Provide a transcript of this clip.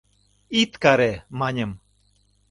Ит каре, маньым!